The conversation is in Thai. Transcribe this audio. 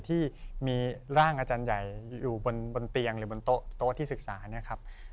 ที่มีร่างอาจารย์ใหญ่อยู่บนเตียงหรือบนโต๊ะการศึกษา